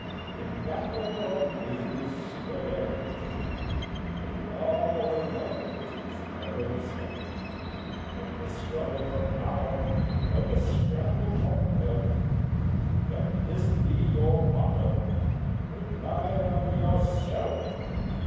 In battle or business, whatever the game, In law or love, it is ever the same; In the struggle for power, or the scramble for pelf, Let this be your motto, "RELY ON YOURSELF!"